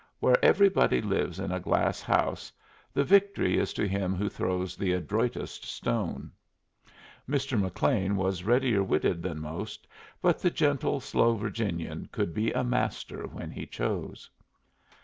Where everybody lives in a glass house the victory is to him who throws the adroitest stone. Mr. McLean was readier witted than most, but the gentle, slow Virginian could be a master when he chose.